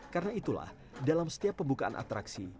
karena itulah dalam setiap pembukaan atraksi